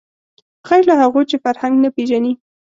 غیر له هغو چې فرهنګ نه پېژني